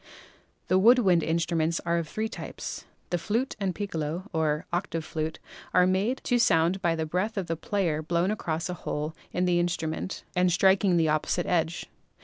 The wood wind instruments are of three types. The flute and piccolo (or octave flute) are made to sound by the breath of the player blown across a hole in the instru ment and striking the opposite edge.